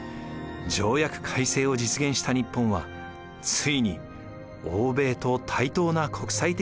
条約改正を実現した日本はついに欧米と対等な国際的地位を手に入れました。